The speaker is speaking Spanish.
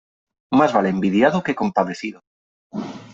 Más vale envidiado que compadecido.